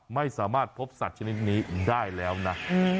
ไม่สามารถพบสัตว์ชนิดนี้ได้แล้วนะ